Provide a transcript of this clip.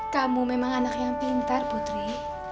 kamu memang anak yang pintar putri